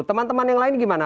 teman teman yang lain gimana